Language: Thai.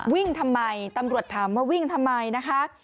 วิ่งทำไมตำรวจถามว่าวิ่งทำไมนะคะ